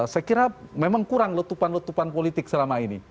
saya kira memang kurang letupan letupan politik selama ini